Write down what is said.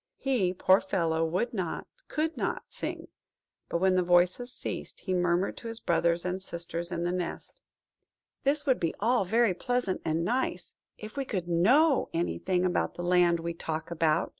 He, poor fellow, would not, could not sing; but when the voices ceased, he murmured to his brothers and sisters in the nest– "This would be all very pleasant and nice, if we could know anything about the Land we talk about."